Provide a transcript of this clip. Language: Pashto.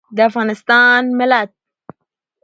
د افغانستان ملت